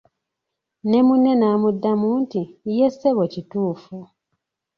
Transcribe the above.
Ne munne n'amuddamu nti "ye ssebo kituufu"